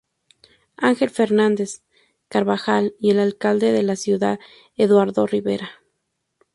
Ángel Fernández Carvajal y el alcalde de la ciudad Eduardo Rivera.